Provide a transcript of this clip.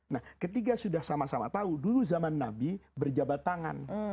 nah ketiga sudah sama sama tahu dulu zaman nabi berjabat tangan